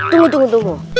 tunggu tunggu tunggu